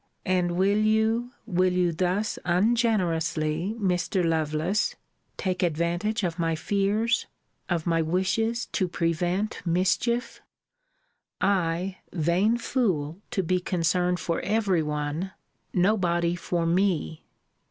And will you, will you thus ungenerously, Mr. Lovelace, take advantage of my fears? of my wishes to prevent mischief? I, vain fool, to be concerned for every one; nobody for me!